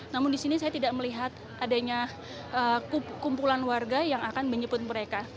namun disini saya tidak melihat adanya kumpulan warga yang akan menjemput mereka